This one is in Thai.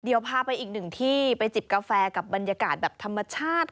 เดี๋ยวพาไปอีกหนึ่งที่ไปจิบกาแฟกับบรรยากาศแบบธรรมชาติ